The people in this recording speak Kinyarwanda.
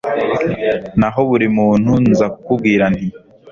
naho buri muntu nza kukubwira nti